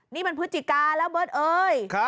นี่มันพฤศจิกาแล้วเบิร์ตเอ้ย